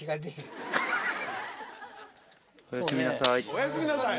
「おやすみなさい」。